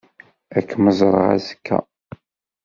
Ad kem-ẓreɣ azekka.